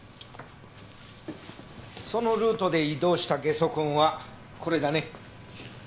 そのルートで移動したゲソ痕はこれだね。